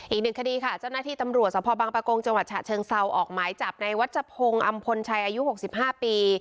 อีกหนึ่งคดีค่ะเจ้าหน้าที่ตำรวจสภบังปะโกงจังหวัดฉะเชิงเซาออกหมายจับในวัชพงศ์อำพลชัยอายุ๖๕ปี